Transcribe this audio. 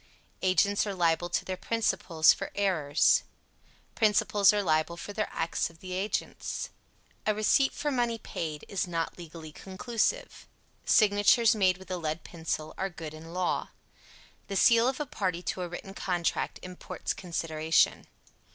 Agents are liable to their principals for errors. Principals are liable for the acts of their agents. A receipt for money paid is not legally conclusive. Signatures made with a lead pencil are good in law. The seal of a party to a written contract imports consideration.